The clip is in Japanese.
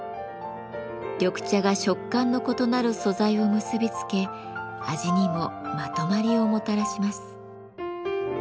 緑茶が食感の異なる素材を結びつけ味にもまとまりをもたらします。